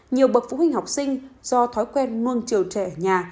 nhiều bậc phụ huynh học sinh do thói quen luôn chiều trẻ ở nhà